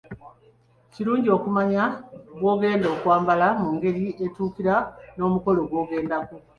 Kirungi okumanya bw'ogenda okwambala mu ngeri etuukira n'omukolo gw'ogendako.